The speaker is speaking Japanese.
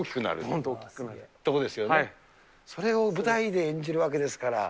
それを舞台で演じるわけですから。